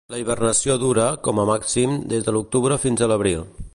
La hibernació dura, com a màxim, des de l'octubre fins a l'abril.